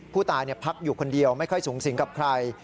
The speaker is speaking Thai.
ผู้ตายพักอยู่คนเดียวไม่ค่อยสูงสิงกับใคร